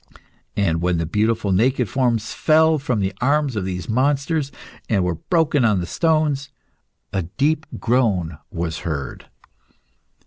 And when the beautiful naked forms fell from the arms of these monsters, and were broken on the stones, a deep groan was heard.